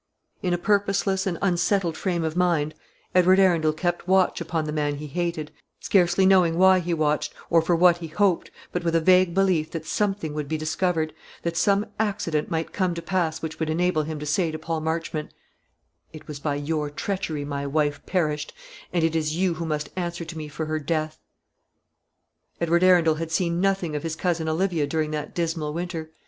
In a purposeless and unsettled frame of mind, Edward Arundel kept watch upon the man he hated, scarcely knowing why he watched, or for what he hoped, but with a vague belief that something would be discovered; that some accident might come to pass which would enable him to say to Paul Marchmont, "It was by your treachery my wife perished; and it is you who must answer to me for her death." Edward Arundel had seen nothing of his cousin Olivia during that dismal winter.